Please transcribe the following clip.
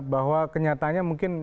bahwa kenyataannya mungkin